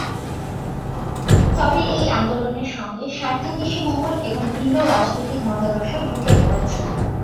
তবে এই আন্দোলনের সঙ্গে স্বার্থান্বেষী মহল এবং ভিন্ন রাজনৈতিক মতাদর্শ ঢুকে পড়েছে।